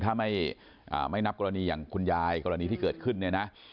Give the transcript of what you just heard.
ถ้าไม่นับกรณีอย่างคุณยายกรณีที่เกิดขึ้นเนี่ยนะ